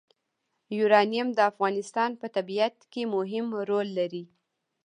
یورانیم د افغانستان په طبیعت کې مهم رول لري.